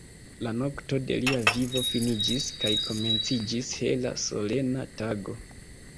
La nokto de lia vivo finiĝis, kaj komenciĝis hela, solena tago.